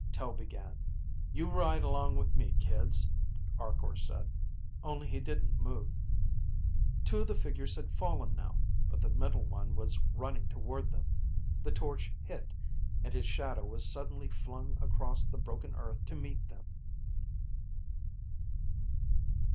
Tel began. "You ride along with me, kids," Arkor said, only he didn't move. Two of the figures had fallen now, but the middle one was running toward them. The torch hit, and his shadow was suddenly flung across the broken earth to meet them....